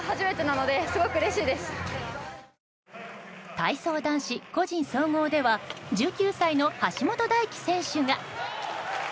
体操男子個人総合では１９歳の橋本大輝選手が。